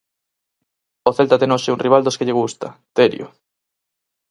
O Celta ten hoxe un rival dos que lle gusta, Terio.